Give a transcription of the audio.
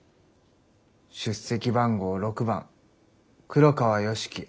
出席番号６番黒川良樹。